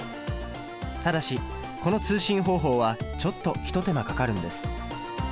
ただしこの通信方法はちょっと一手間かかるんです。